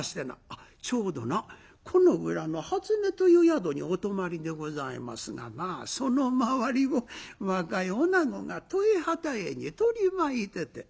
あっちょうどなこの裏のはつねという宿にお泊まりでございますがまあその周りを若い女子が十重二十重に取り巻いてて。